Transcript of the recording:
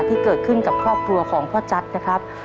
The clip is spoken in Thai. ที่เกิดขึ้นกับครอบครัวของพ่อจั๊ดนะครับ